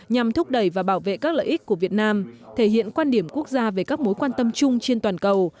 nhằm thúc đẩy và bảo vệ các lợi ích của việt nam thể hiện quan điểm quốc gia về các mối quan tâm chung trên toàn cầu